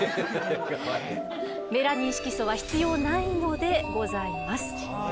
メラニン色素は必要ないのでございます。